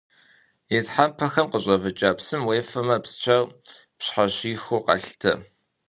И тхьэмпэхэм къыщӏэвыкӏа псым уефэмэ, псчэр пщхьэщихыу къалъытэ.